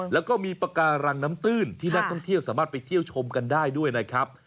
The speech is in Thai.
แล้วก็มีปากการังน้ำตื้นที่นักท่องเที่ยวสามารถไปเที่ยวชมกันได้ด้วยนะครับ